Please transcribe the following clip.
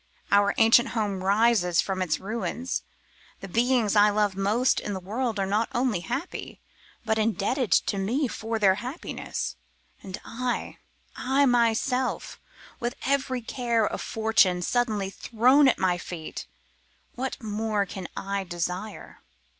Our ancient house rises from its ruins; the beings I love most in the world are not only happy, but indebted to me for their happiness; and I, I myself, with every gift of fortune suddenly thrown at my feet, what more can I desire?